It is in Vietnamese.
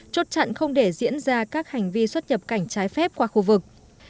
chốt chặn không để diễn ra các hành vi xuất nhập cảnh trái phép qua khu vực